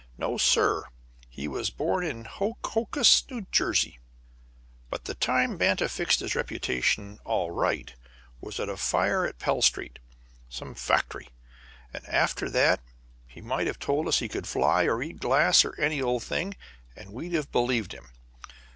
No, sir; he was born in Hohokus, N. J. "But the time Banta fixed his reputation all right was at a fire in Pell Street some factory. After that he might have told us he could fly or eat glass or any old thing, and we'd have believed him.